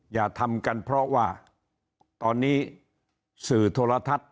อย่าทำกันเพราะว่าตอนนี้สื่อโทรทัศน์